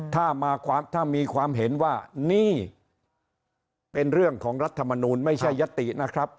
ถ้ามีความเห็นว่านี่เป็นเรื่องของรัฐมนูลไม่ใช่ยตินะครับ